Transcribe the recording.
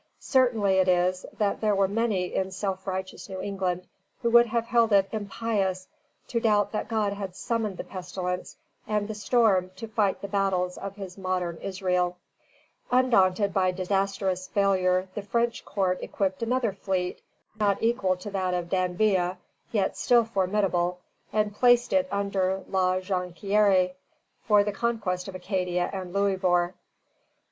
Certain it is that there were many in self righteous New England who would have held it impious to doubt that God had summoned the pestilence and the storm to fight the battles of his modern Israel. Undaunted by disastrous failure, the French court equipped another fleet, not equal to that of D'Anville, yet still formidable, and placed it under La Jonquière, for the conquest of Acadia and Louisbourg.